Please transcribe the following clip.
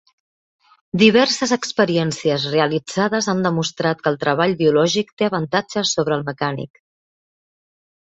Diverses experiències realitzades han demostrat que el treball biològic té avantatges sobre el mecànic